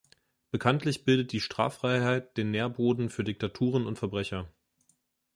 Bekanntlich bildet die Straffreiheit den Nährboden für Diktaturen und Verbrecher.